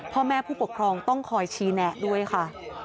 พ่อแม่ผู้ปกครองต้องคอยชี้แนะด้วยค่ะ